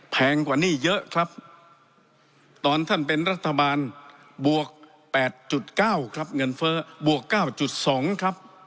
แพงกว่าหนี้เยอะครับตอนท่านเป็นรัฐบาลบวก๘๙ครับเงินเฟ้อบวก๙๒ครับ